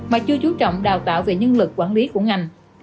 mà chưa chú trọng đào tạo về nhân lực quản lý của ngành